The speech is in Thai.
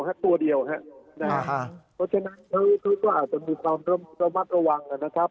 เพราะฉะนั้นเขาก็อาจจะมีความระมัดระวังนะครับ